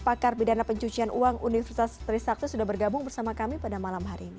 pakar pidana pencucian uang universitas trisakti sudah bergabung bersama kami pada malam hari ini